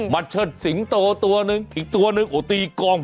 มัดเชิดสิงห์โตตัวหนึ่งอีกตัวหนึ่งโอ้ตีกล้อง